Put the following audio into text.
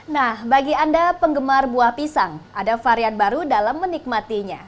nah bagi anda penggemar buah pisang ada varian baru dalam menikmatinya